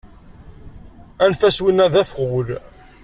Anef-as win-a d afɣul